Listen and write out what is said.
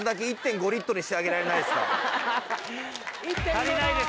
足りないです